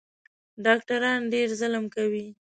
ډاکټران ډېر ظلم کوي